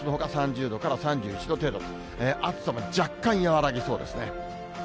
そのほか３０度から３１度程度と、暑さも若干和らぎそうですね。